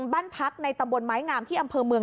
บ้านพักในตำบลไม้งามที่อำเภอเมือง